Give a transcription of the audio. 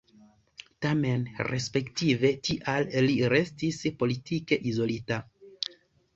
Tamen respektive tial li restis politike izolita.